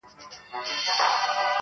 چي د مغولو له بیرغ څخه کفن جوړوي٫